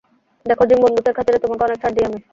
দ্যাখো জিম, বন্ধুত্বের খাতিরে তোমাকে অনেক ছাড় দিই আমি।